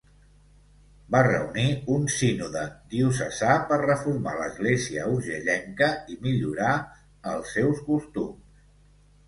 Va reunir un sínode diocesà per reforma l'església urgellenca i millorar els seus costums.